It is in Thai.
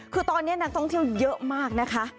คือตอนนี้นักท่องเที่ยวเยอะมากนะคะ